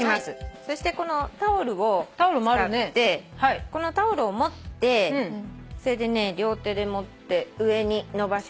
そしてこのタオルを使ってこのタオルを持ってそれでね両手で持って上に伸ばします。